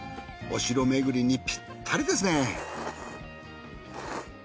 お城めぐりにピッタリですね。